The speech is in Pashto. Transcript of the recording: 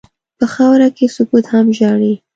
په خاوره کې سکوت هم ژاړي.